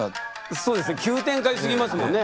そうですね急展開すぎますもんね。